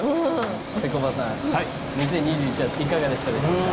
ぺこぱさん２０２１はいかがでしたでしょうか？